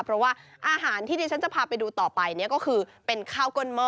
เพราะว่าอาหารที่ที่ฉันจะพาไปดูต่อไปเนี่ยก็คือเป็นข้าวก้นหม้อ